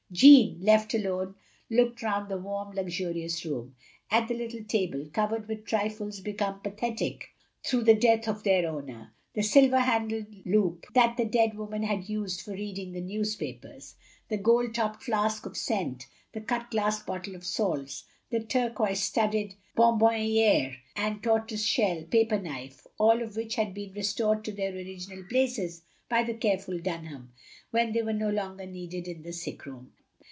Jeanne, left alone, looked round the warm, luxurious room: at the little table, covered with trifles become pathetic through the death of their owner; the silver handled loop that the dead wo man had used for reading the newspapers; the gold topped flask of scent, the cut glass bottle of salts; the turquoise studded honhonnibre and tortoise shell paper knife; all of which had been restored to their original places by the careful Dunham, when they were no longer needed in the sick room.